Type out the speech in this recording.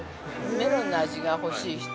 メロンの味が欲しい人。